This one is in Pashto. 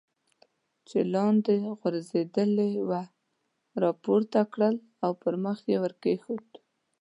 چې لاندې غورځېدلې وه را پورته کړل او پر مخ یې ور کېښودل.